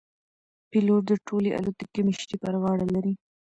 پیلوټ د ټولې الوتکې مشري پر غاړه لري.